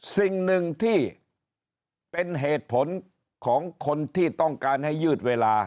สิ่งหนึ่งที่เป็นเหตุผลของคนที่ต้องการให้ยืดเวลา